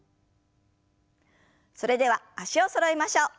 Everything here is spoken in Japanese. それでは脚をそろえましょう。